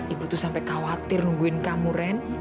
ibu tuh sampai khawatir nungguin kamu ren